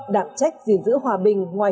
đảm trách gìn giữ hòa bình ngoài